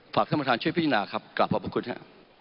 ฝากท่านประธานช่วยพิจารณาครับกลับพบกับคุณครับ